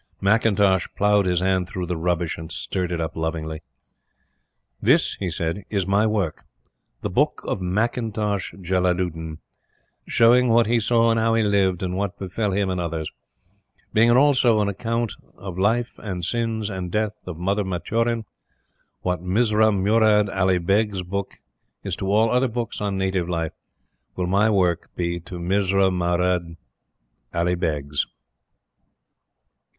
McIntosh ploughed his hand through the rubbish and stirred it up lovingly. "This," he said, "is my work the Book of McIntosh Jellaludin, showing what he saw and how he lived, and what befell him and others; being also an account of the life and sins and death of Mother Maturin. What Mirza Murad Ali Beg's book is to all other books on native life, will my work be to Mirza Murad Ali Beg's!"